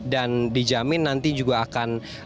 dan dijamin nanti juga akan